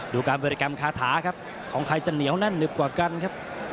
ดูการบริกรรมคาถาครับของใครจะเหนียวแน่นหนึบกว่ากันครับ